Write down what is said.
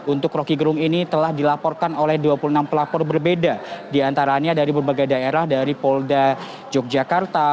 untuk roky gerung ini telah dilaporkan oleh dua puluh enam pelapor berbeda diantaranya dari berbagai daerah dari polda yogyakarta